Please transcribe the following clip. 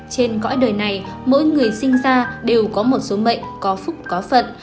trên cõi đời này mỗi người sinh ra đều có một số bệnh có phúc có phận